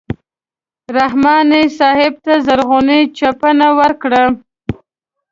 رحماني صاحب ته زرغونه چپنه ورکړه.